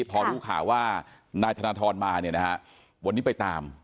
พอรู้ข่าวว่านายธนทรมาเนี่ยนะฮะวันนี้ไปตาม